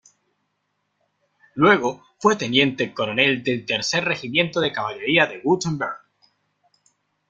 Luego fue Teniente Coronel del tercer regimiento de caballería de Wurtemberg.